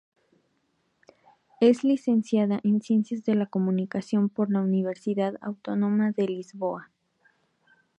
Es licenciada en Ciencias de la Comunicación por la Universidad Autónoma de Lisboa.